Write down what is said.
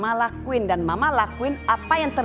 mama lakuin dan mama lakuin apa yang ter